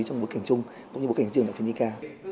trong bối cảnh chung cũng như bối cảnh riêng đọc phi nhi ca